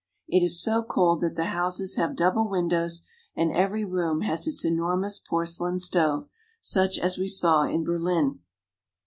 It is so cold that the houses have double windows, and every room has its enormous porcelain stove, such as we saw in Berlin.